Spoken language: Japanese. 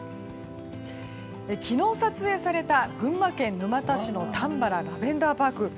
昨日撮影された群馬県沼田市のたんばらラベンダーパーク。